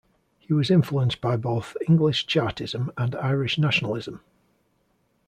He was influenced by both English Chartism and Irish nationalism.